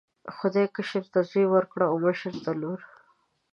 خدای کشر ته زوی ورکړ او مشر ته لور.